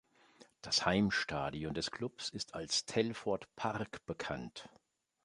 Das Heimstadion des Clubs ist als Telford Park bekannt.